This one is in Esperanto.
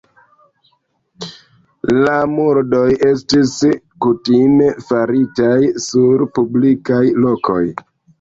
La murdoj estis kutime faritaj sur publikaj lokoj.